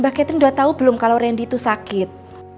mbak catherine udah tau belum kalau rendy sakit